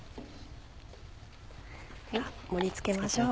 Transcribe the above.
盛り付けましょう。